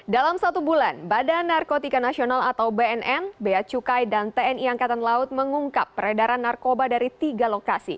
dalam satu bulan badan narkotika nasional atau bnn beacukai dan tni angkatan laut mengungkap peredaran narkoba dari tiga lokasi